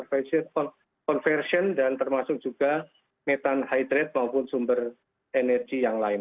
ocean thermal energy convergence dan termasuk juga metan hydrate maupun sumber energi yang lain